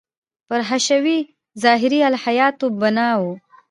پر حشوي – ظاهري الهیاتو بنا و.